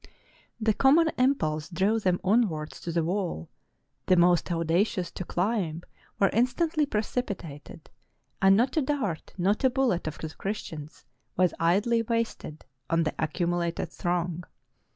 The com 483 TURKEY mon impulse drove them onwards to the wall; the most audacious to climb were instantly precipitated ; and not a dart, not a bullet, of the Christians, was idly wasted on the accumulated throng.